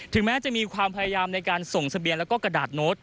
แม้จะมีความพยายามในการส่งทะเบียนแล้วก็กระดาษโน้ต